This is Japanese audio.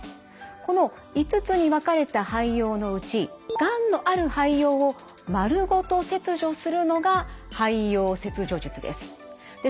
この５つに分かれた肺葉のうちがんのある肺葉をまるごと切除するのが肺葉切除術です。